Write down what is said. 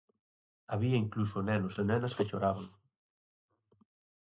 Había incluso nenos e nenas que choraban.